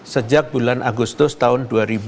sejak bulan agustus tahun dua ribu dua puluh